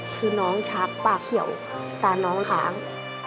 คือน้องชักปากเขียวตาน้องค้าง